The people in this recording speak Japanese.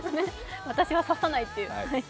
私は差さないっていう。